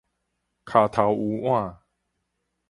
跤頭趺碗